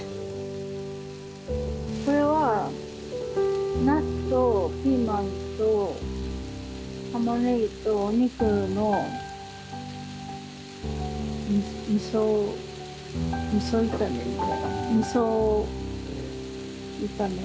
これはナスとピーマンとたまねぎとお肉のみそみそ炒めみそ炒めかな。